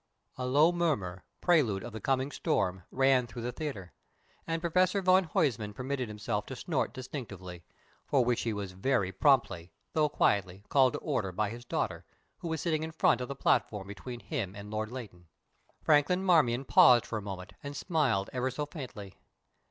A low murmur, prelude of the coming storm, ran through the theatre, and Professor van Huysman permitted himself to snort distinctively, for which he was very promptly, though quietly, called to order by his daughter, who was sitting in front of the platform between him and Lord Leighton. Franklin Marmion paused for a moment and smiled ever so faintly.